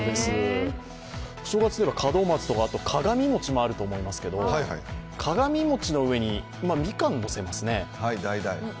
お正月でいえば、鏡餅もあると思いますけど、鏡餅の上にみかんをのせますよね。